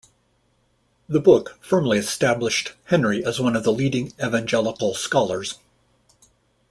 The book firmly established Henry as one of the leading Evangelical scholars.